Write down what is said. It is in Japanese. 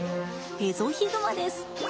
エゾヒグマです。